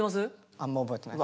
あんま覚えてない。